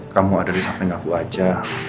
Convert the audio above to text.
kamu ada disamping aku aja